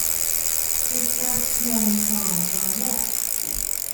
His best-known songs are There!